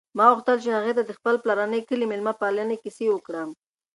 ما غوښتل چې هغې ته د خپل پلارني کلي د مېلمه پالنې کیسې وکړم.